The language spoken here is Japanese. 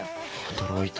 驚いた。